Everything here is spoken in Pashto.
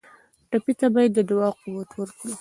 ټپي ته باید د دعا قوت ورکړو.